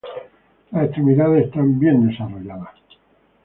Las extremidades están bien desarrolladas.